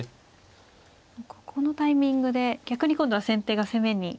ここのタイミングで逆に今度は先手が攻めに。